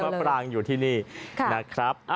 เจ้าแม่มะปรางอยู่ที่นี่นะครับ